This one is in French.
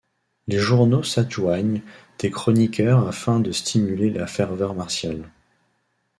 Les journaux s'adjoignent des chroniqueurs afin de stimuler la ferveur martiale.